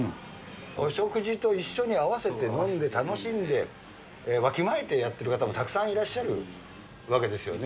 お食事と一緒に合わせて飲んで楽しんで、わきまえてやってる方もたくさんいらっしゃるわけですよね。